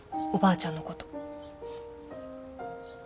おばあちゃんのこと。